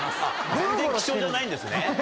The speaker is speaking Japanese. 全然貴重じゃないんですね。